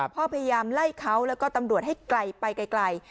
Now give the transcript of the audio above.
พยายามไล่เขาแล้วก็ตำรวจให้ไกลไปไกล